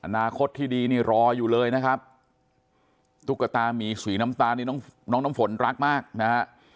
อนาคตที่ดีนี่รออยู่เลยนะครับตุ๊กตามีสีน้ำตาลนี่น้องน้ำฝนรักมากนะฮะ